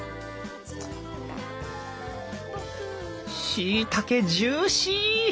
しいたけジューシー！